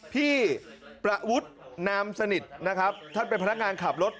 พี่ประวุฒินามสนิทนะครับท่านเป็นพนักงานขับรถ